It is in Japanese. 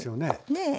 ねえ。